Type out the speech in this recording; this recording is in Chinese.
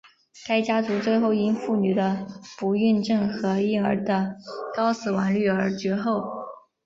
该家族最后因妇女的不孕症和婴儿的高死亡率而绝后。